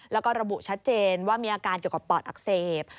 แล้วก็ระบุชัดเจนว่ามีอาการเกี่ยวกับปอดอักเสบ